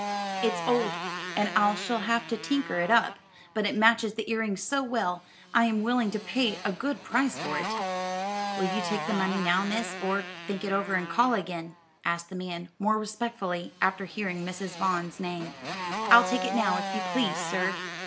"It's old, and I shall have to tinker it up; but it matches the earrings so well I am willing to pay a good price for it. Will you take the money now, miss, or think it over and call again?" asked the man, more respectfully, after hearing Mrs. Vaughn's name. "I'll take it now, if you please, sir.